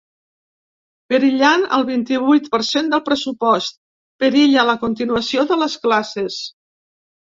Perillant el vint-i-vuit per cent del pressupost, perilla la continuació de les classes.